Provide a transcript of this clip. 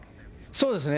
そうですね。